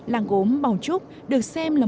làng gốm bảo trúc được xem là